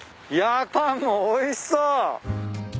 いやパンもおいしそう。